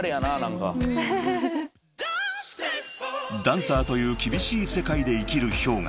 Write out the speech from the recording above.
［ダンサーという厳しい世界で生きるＨｙＯｇＡ］